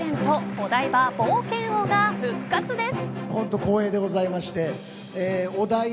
お台場冒険王が復活です。